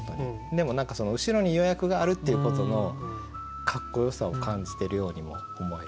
でも何かその後ろに予約があるっていうことのかっこよさを感じてるようにも思えて。